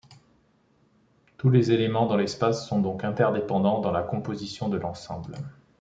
Tous les éléments dans l’espace sont donc interdépendants dans la composition de l’ensemble.